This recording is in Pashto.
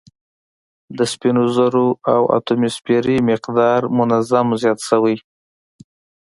د سپینو زرو اتوموسفیري مقدار منظم زیات شوی